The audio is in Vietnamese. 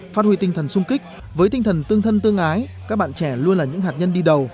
phát huy tinh thần sung kích với tinh thần tương thân tương ái các bạn trẻ luôn là những hạt nhân đi đầu